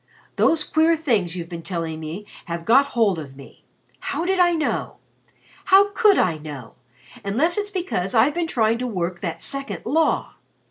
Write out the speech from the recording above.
"Those queer things you've been telling me have got hold of me. How did I know? How could I know unless it's because I've been trying to work that second law?